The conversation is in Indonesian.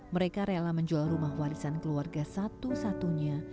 mereka rela menjual rumah warisan keluarga satu satunya